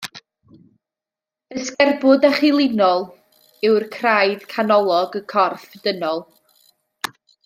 Y sgerbwd echelinol yw craidd canolog y corff dynol